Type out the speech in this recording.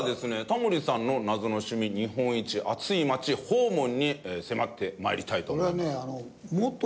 タモリさんの謎の趣味日本一暑い街訪問に迫って参りたいと思います。